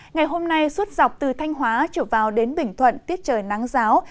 ngày hôm nay suốt dọc từ thanh hóa chủ vào đến bình thuận tiết trời nắng ráo